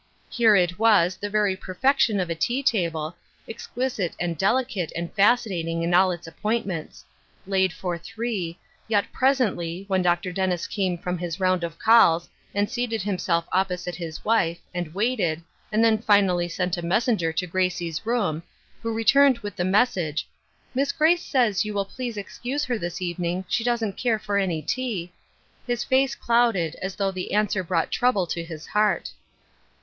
Here it was, the very perfection of a tea table, exquisite and delicate and fascinating in all its appointments ; laid for three, yet, presently, when Dr. Dennis came from his round of calls, and seated himself opposite his wife, and waited, and then finally sent a messenger to Grade's room, who returned with the message, " Miss Grace says will 3^ou please excuse her this even ing, she doesn't care for any tea," his face clouded, as though the answer brought trouble to his heart.